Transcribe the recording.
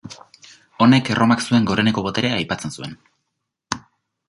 Honek Erromak zuen goreneko boterea aipatzen zuen.